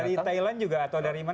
dari thailand juga atau dari mana